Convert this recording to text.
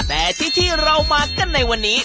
แต่ที่ที่เรามากันในวันนี้